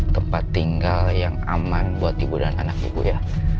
tempat tinggal yang aman buat ibu dan anak ibu ya